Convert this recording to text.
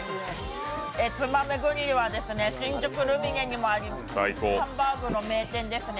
つばめグリルは新宿ルミネにもあるハンバーグの名店ですね。